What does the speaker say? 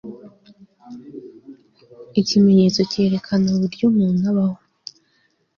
ikimenyetso cyerekana uburyo umuntu abaho